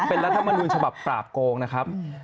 เป็นรัฐมนุนฉบับปราบโกงนะครับ